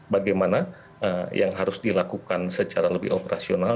bagaimana yang harus dilakukan secara lebih operasional